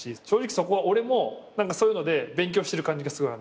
そこは俺もそういうので勉強してる感じがすごいある。